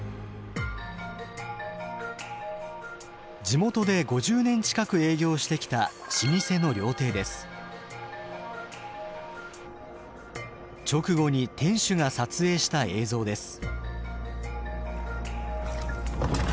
地元で５０年近く営業してきた直後に店主が撮影した映像です。